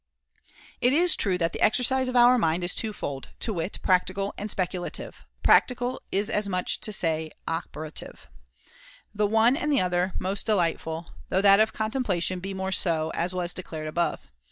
It is true that the exercise of our mind is two fold, to wit, practical and speculative (practical is as much as to say operative) ; the one and the other most delightful, though that of contempla tion be more so, as was declared above.